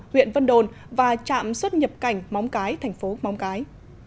huyện vân đồn và trạm xuất nhập cảnh móng cái thành phố móng cái